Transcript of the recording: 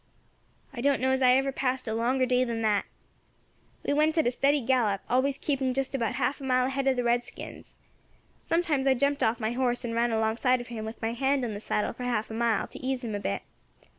"I don't know as I ever passed a longer day than that. We went at a steady gallop, always keeping just about half a mile ahead of the redskins. Sometimes I jumped off my horse and ran alongside of him with my hand on the saddle for half a mile, to ease him a bit.